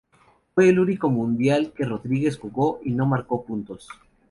Fue el único mundial que Rodríguez jugó y no marcó puntos.